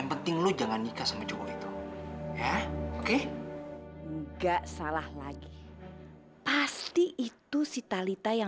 sampai jumpa di video selanjutnya